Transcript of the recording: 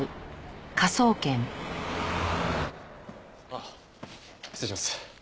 あっ失礼します。